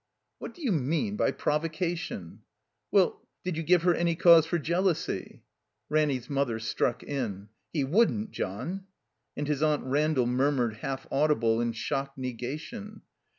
"What do you mean by provocation?" "Well — did you give her any cause for jealousy?" Ranny 's mother struck in. "He wouldn't, John. " And his Aunt Randall murmured half audible and shocked negation.